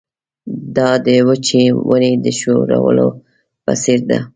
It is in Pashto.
دا د وچې ونې د ښورولو په څېر ده.